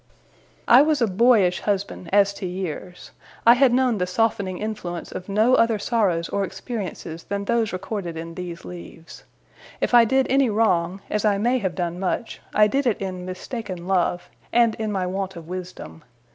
I was a boyish husband as to years. I had known the softening influence of no other sorrows or experiences than those recorded in these leaves. If I did any wrong, as I may have done much, I did it in mistaken love, and in my want of wisdom.